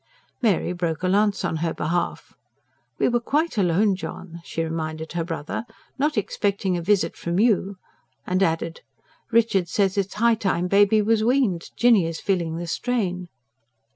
Mary broke a lance on her behalf. "We were quite alone, John," she reminded her brother. "Not expecting a visit from you." And added: "Richard says it is high time Baby was weaned. Jinny is feeling the strain."